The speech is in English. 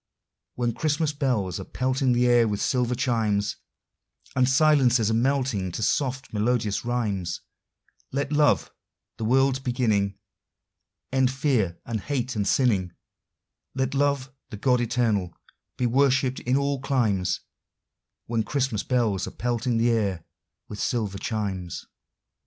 When Christmas bells are pelting the air with silver chimes, And silences are melting to soft, melodious rhymes, Let Love, the world's beginning, End fear and hate and sinning; Let Love, the God Eternal, be worshipped in all climes When Christmas bells are pelting the air with silver chimes.